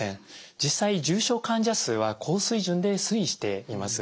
実際重症患者数は高水準で推移しています。